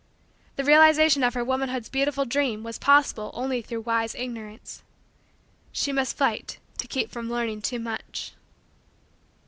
The realization of her womanhood's beautiful dream was possible only through wise Ignorance. She must fight to keep from learning too much.